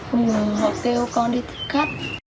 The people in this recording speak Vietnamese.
không ngờ họ kêu con đi thức khách